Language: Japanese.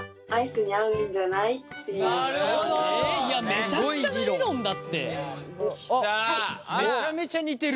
めちゃくちゃな理論だって。来た。